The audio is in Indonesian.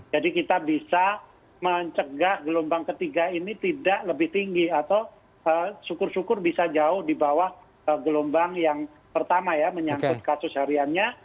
jadi kita bisa mencegah gelombang ketiga ini tidak lebih tinggi atau syukur syukur bisa jauh di bawah gelombang yang pertama ya menyangkut kasus hariannya